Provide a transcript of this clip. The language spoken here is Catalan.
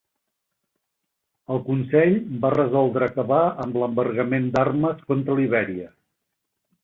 El Consell va resoldre acabar amb l'embargament d'armes contra Libèria.